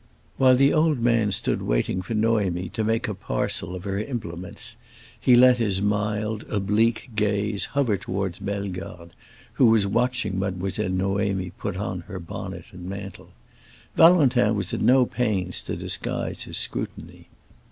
While the old man stood waiting for Noémie to make a parcel of her implements, he let his mild, oblique gaze hover toward Bellegarde, who was watching Mademoiselle Noémie put on her bonnet and mantle. Valentin was at no pains to disguise his scrutiny.